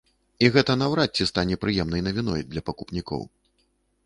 І гэта наўрад ці стане прыемнай навіной для пакупнікоў.